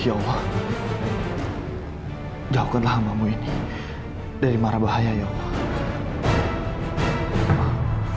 ya allah jauhkanlah hambamu ini dari mara bahaya ya allah